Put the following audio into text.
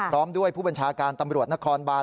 พร้อมด้วยผู้บัญชาการตำรวจนครบาน